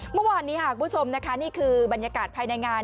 เมื่อวานนี้คือบรรยากาศภายในงาน